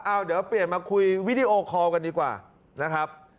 เอาเดี๋ยวเปลี่ยนมาคุยวิดีโอคอลกันดีกว่านะครับ